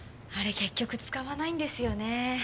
結局使わないんですよね